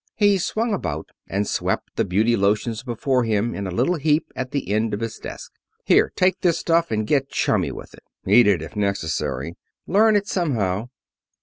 '" He swung about and swept the beauty lotions before him in a little heap at the end of his desk. "Here, take this stuff. And get chummy with it. Eat it, if necessary; learn it somehow."